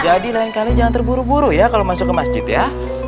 jadi lain kali jangan terburu buru ya kalau masuk ke masjid ya